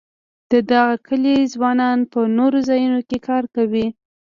د دغه کلي ځوانان په نورو ځایونو کې کار کوي.